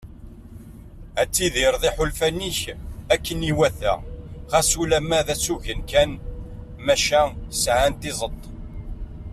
Ad tidireḍ iḥulfan-ik akken iwata ɣas ulamma d asugen kan maca sɛan tizeḍt.